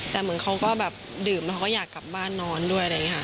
แต่เหมือนเขาก็แบบดื่มแล้วเขาก็อยากกลับบ้านนอนด้วยอะไรอย่างนี้ค่ะ